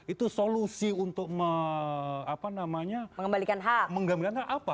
itu solusi untuk mengembalikan hak